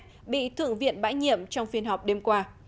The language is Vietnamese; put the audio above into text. trở thành thượng viện bãi nhiệm trong phiên họp đêm qua